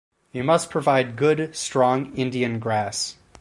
You must provide good strong Indian grass